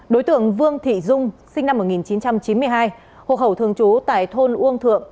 đối tượng vương thị dung sinh năm một nghìn chín trăm chín mươi hai hộ khẩu thường trú tại thôn uông thượng